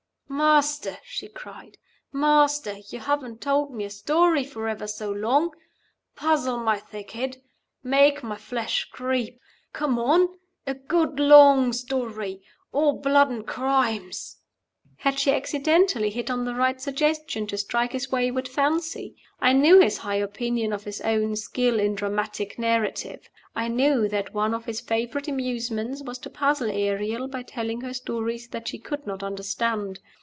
"Master!" she cried. "Master! You haven't told me a story for ever so long. Puzzle my thick head. Make my flesh creep. Come on. A good long story. All blood and crimes." Had she accidentally hit on the right suggestion to strike his wayward fancy? I knew his high opinion of his own skill in "dramatic narrative." I knew that one of his favorite amusements was to puzzle Ariel by telling her stories that she could not understand.